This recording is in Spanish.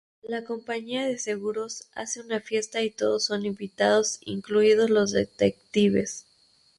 La compañía de seguros hace una fiesta y todos son invitados, incluidos los detectives.